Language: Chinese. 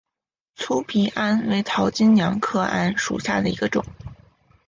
粗皮桉为桃金娘科桉属下的一个种。